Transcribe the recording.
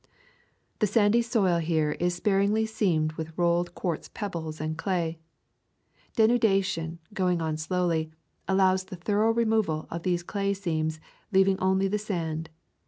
The sandy soil here is sparingly seamed with rolled quartz pebbles and clay. Denudation, go ing on slowly, allows the thorough removal of these clay seams, leaving only the sand.